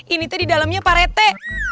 ini di dalamnya parete